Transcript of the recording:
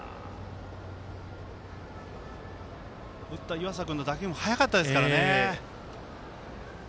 打った湯浅君の打球も速かったですからね。